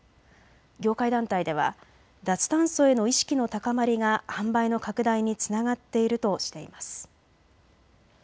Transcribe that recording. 業界団体では脱炭素への意識の高まりが販売の拡大につながっているとしています。